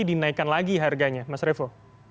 dinaikkan lagi harganya mas revo